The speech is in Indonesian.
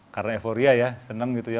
karena euforia ya senang gitu ya